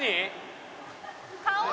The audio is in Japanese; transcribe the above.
顔？